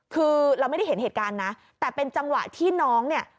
คือเราไม่ได้เห็นเหตุการณ์นะแต่เป็นจังหวะที่น้องเนี่ย